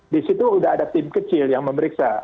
di situ sudah ada tim kecil yang memeriksa